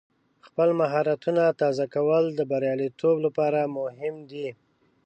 خپل مهارتونه تازه کول د بریالیتوب لپاره مهم دی.